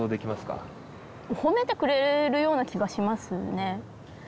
褒めてくれるような気がしますね。